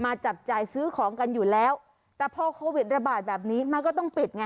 จับจ่ายซื้อของกันอยู่แล้วแต่พอโควิดระบาดแบบนี้มันก็ต้องปิดไง